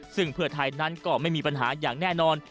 ซึ่งเพื่อไทยนั้นก็ไม่มีปัญหาอย่างแน่นอน